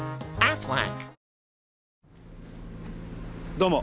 どうも。